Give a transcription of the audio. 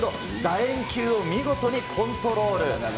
円球を見事にコントロール。